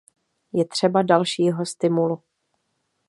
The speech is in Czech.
Je třeba dalšího stimulu.